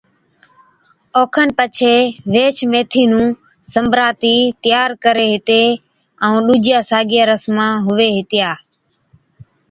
اوکن پڇي ويھِچ ميٿِي نُون سنبراتِي تيار ڪري ھِتين، ائُون ڏُوجيا ساگِيا رسمان ھُوَي ھِتيا